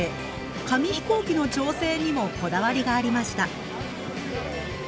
紙飛行機の調整にもこだわりがありました。